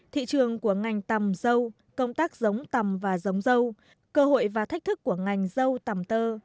thị trường của ngành tầm dâu công tác giống tầm và giống dâu cơ hội và thách thức của ngành dâu tầm tơ